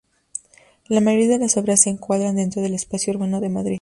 La mayoría de las obras se encuadran dentro del espacio urbano de Madrid.